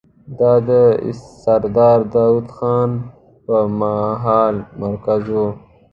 دا د سردار داوود خان پر مهال مرکز و.